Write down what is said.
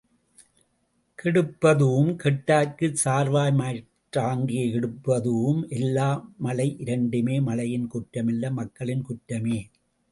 கெடுப்பதூஉம் கெட்டார்க்குச் சார்வாய்மற் றாங்கே எடுப்பதூஉம் எல்லாம் மழை இரண்டுமே மழையின் குற்றமல்ல மக்களின் குற்றமே!